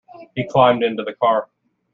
He climbed into the car.